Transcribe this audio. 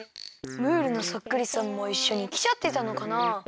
ムールのそっくりさんもいっしょにきちゃってたのかな？